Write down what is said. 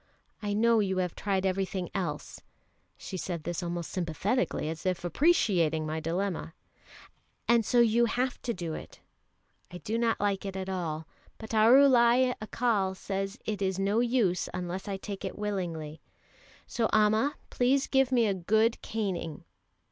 I know you have tried everything else" (she said this almost sympathetically, as if appreciating my dilemma), "and so you have to do it. I do not like it at all, but Arulai Accal says it is no use unless I take it willingly, so Amma, please give me a good caning."